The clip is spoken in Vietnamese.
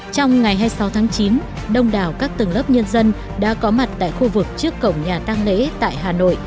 trong ngày hai mươi sáu tháng chín đông đảo các tầng lớp nhân dân đã có mặt tại khu vực trước cổng nhà tăng lễ tại hà nội